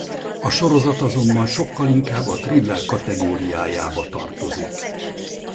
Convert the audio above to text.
A sorozat azonban sokkal inkább a thriller kategóriájába tartozik.